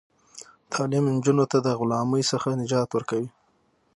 تعلیم نجونو ته د غلامۍ څخه نجات ورکوي.